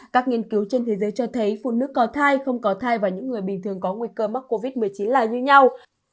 các nghiên cứu trên thế giới cho thấy phụ nữ có thai không có thai và những người bình thường có nguy cơ mắc covid một mươi chín là như nhau